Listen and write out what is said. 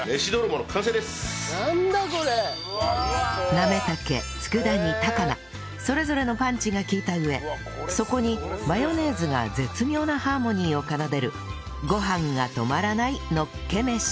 なめ茸佃煮高菜それぞれのパンチが利いた上そこにマヨネーズが絶妙なハーモニーを奏でる